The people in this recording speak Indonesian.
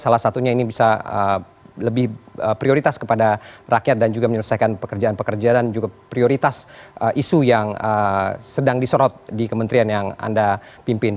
salah satunya ini bisa lebih prioritas kepada rakyat dan juga menyelesaikan pekerjaan pekerjaan dan juga prioritas isu yang sedang disorot di kementerian yang anda pimpin